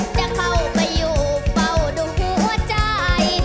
จะเข้าไปอยู่เฝ้าดูหัวใจ